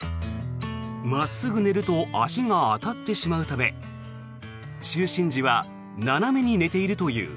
真っすぐ寝ると足が当たってしまうため就寝時は斜めに寝ているという。